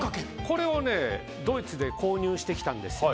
これをドイツで購入してきたんです。